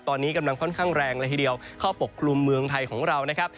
ตอนนี้กำลังค่อนข้างแรงเลยทีเดียวเข้าปกคลุมเมืองไทยของเรานะครับ